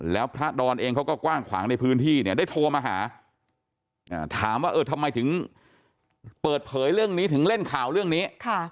แล้วพระดอนเองเขาก็กว้างขวางในพื้นที่เนี่ยได้โทรมาหาถามว่าเออทำไมถึงเปิดเผยเรื่องนี้ถึงเล่นข่าวเรื่องนี้